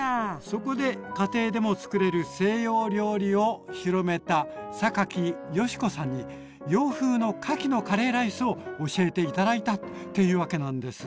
そこで家庭でも作れる西洋料理を広めた榊叔子さんに洋風のかきのカレーライスを教えて頂いたっていうわけなんです。